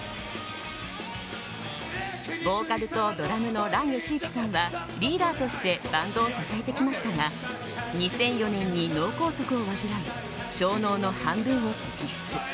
ボーカルとドラムの嵐ヨシユキさんはリーダーとしてバンドを支えてきましたが２００４年に脳梗塞を患い小脳の半分を摘出。